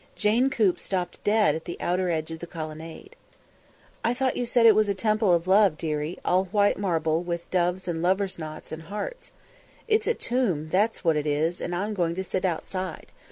Jane Coop stopped dead at the outer edge of the colonnade. "I thought you said it was a Temple of Love, dearie: all white marble, with doves and lovers' knots and and hearts. It's a tomb, that's what it is, and I'm going to sit outside.